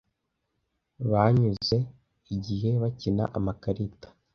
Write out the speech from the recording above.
Banyuze igihe bakina amakarita.